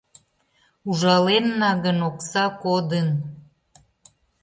Ужаленна гын, окса кодын.